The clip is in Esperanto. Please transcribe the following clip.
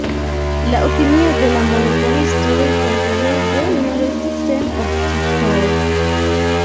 La opinio de la monetaristoj kompreneble ne restis sen obĵetoj.